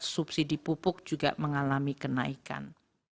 subsidi pupuk juga mengalami kenaikan